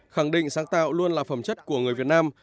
khẳng định sáng tạo luôn là phẩm chất của người việt nam